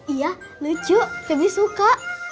iya lucu febri suka